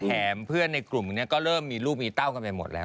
แล้วก็เพื่อนในกลุ่มเลยก็เริ่มมีต้องคนทางหมดแล้ว